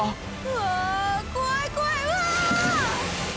うわ怖い怖いうわ！